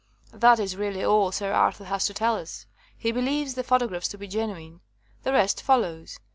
That is really all Sir Arthur has to tell us. He be lieves the photographs to be genuine. The rest follows.